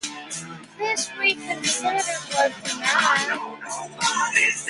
This reconsideration was denied.